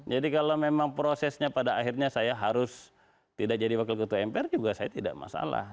jadi kalau memang prosesnya pada akhirnya saya harus tidak jadi wakil ketua mpr juga saya tidak masalah